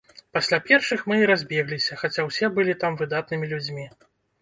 Пасля першых мы і разбегліся, хаця ўсе былі там выдатнымі людзьмі.